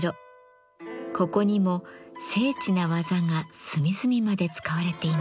ここにも精緻な技が隅々まで使われています。